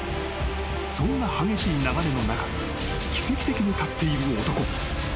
［そんな激しい流れの中奇跡的に立っている男］